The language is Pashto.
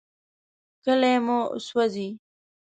کلي مو سوځي.